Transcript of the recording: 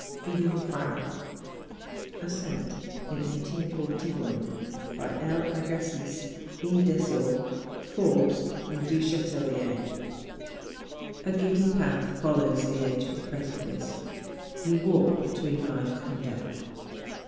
THE JUNGFRAU. ASCENT IN 1841 BY L. AGASSIZ, E. DESOR, FORRES, AND DU CHATELLIER. A GIDDY path follows the edge of the precipice; you walk between life and death.